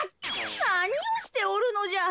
なにをしておるのじゃ。